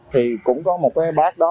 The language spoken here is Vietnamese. thì cũng có một cái bác đó